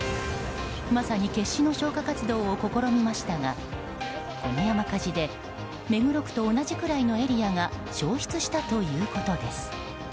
まさに決死の消火活動を試みましたがこの山火事で目黒区と同じくらいのエリアが焼失したということです。